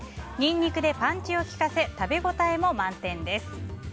ニンニクでパンチを効かせ食べ応えも満点です。